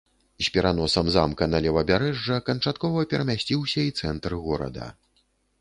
З пераносам замка на левабярэжжа канчаткова перамясціўся і цэнтр горада.